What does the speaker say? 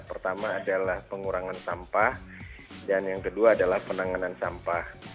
pertama adalah pengurangan sampah dan yang kedua adalah penanganan sampah